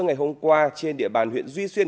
ngày hôm qua trên địa bàn huyện duy xuyên